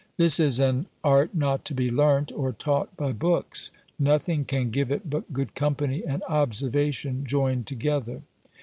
This is an art not to be learnt or taught by books. Nothing can give it but good company and observation joined together."